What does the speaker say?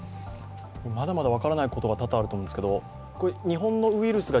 まだまだ分からないことが多々あると思いますが、日本のウイルスが